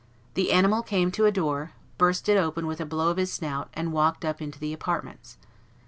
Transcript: The animal came to a door, burst it open with a blow of his snout, and walked up into the apartments.